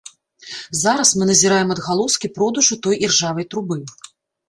Зараз мы назіраем адгалоскі продажу той іржавай трубы.